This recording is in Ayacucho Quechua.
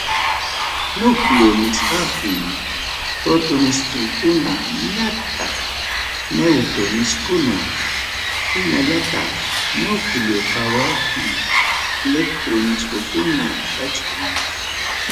Núcleo nisqapim protoneskuna ñataq neutroneskuna hinallataq núcleo qawapi electroneskuna kachkan.